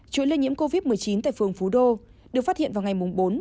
chủ lây nhiễm covid một mươi chín tại phường phú đô được phát hiện vào ngày bốn năm một mươi một